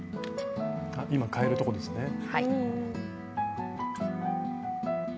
今かえるとこですね。